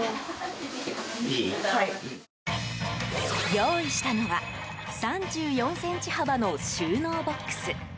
用意したのは３４ｃｍ幅の収納ボックス。